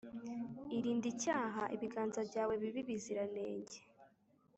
Irinde icyaha, ibiganza byawe bibe ibiziranenge,